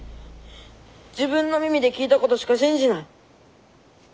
自分の耳で聞いたことしか信じない。